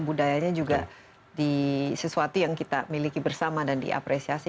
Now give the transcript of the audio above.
budayanya juga di sesuatu yang kita miliki bersama dan diapresiasi